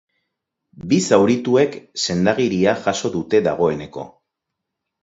Bi zaurituek sendagiria jaso dute dagoeneko.